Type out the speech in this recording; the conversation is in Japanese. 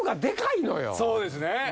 そうですね。